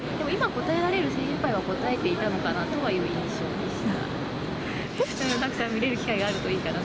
でも今答えられる精いっぱいは答えていたのかなという印象でした。